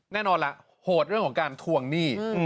แน่นอนล่ะโหดเรื่องของการทวงหนี้